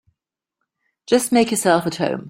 Just make yourselves at home.